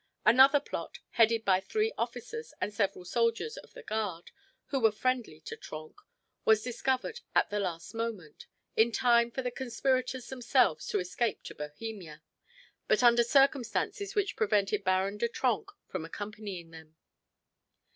Another plot, headed by three officers and several soldiers of the guard, who were friendly to Trenck, was discovered at the last moment in time for the conspirators themselves to escape to Bohemia, but under circumstances which prevented Baron de Trenck from accompanying them.